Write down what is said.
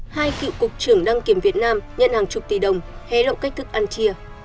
hai cựu cục trưởng đăng kiểm việt nam nhận hàng chục tỷ đồng hé lộ cách thức ăn chia